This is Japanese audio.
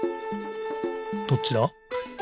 どっちだ？